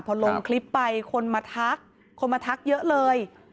พอลงคลิปไปคนมาทักเยอะเลย